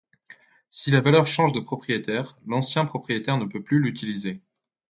Si la valeur change de propriétaire, l'ancien propriétaire ne peut plus l'utiliser.